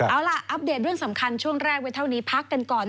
เอาล่ะอัปเดตเรื่องสำคัญช่วงแรกไว้เท่านี้พักกันก่อน